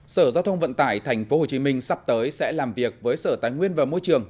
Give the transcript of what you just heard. sở giao thông vận tải tp hcm sắp tới sẽ làm việc với sở tài nguyên và môi trường